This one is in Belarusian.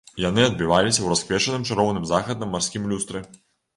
Яны адбіваліся ў расквечаным чароўным захадам марскім люстры.